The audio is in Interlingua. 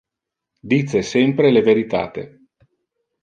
Dice sempre le veritate.